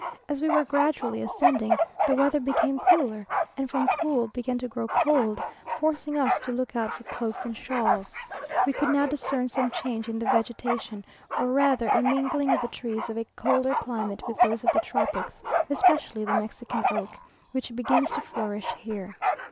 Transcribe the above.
As we were gradually ascending, the weather became cooler, and from cool began to grow cold, forcing us to look out for cloaks and shawls. We could now discern some change in the vegetation, or rather a mingling of the trees of a colder climate with those of the tropics, especially the Mexican oak, which begins to flourish here.